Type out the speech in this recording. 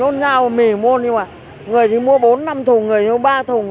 họ nôn nhau mì muôn nhưng mà người thì mua bốn năm thùng người thì mua ba thùng